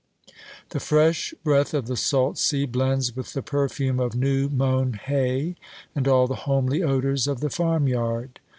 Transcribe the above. The fresh breath of the salt sea blends with the perfume of new mown hay and all the homely odours of the farmyard.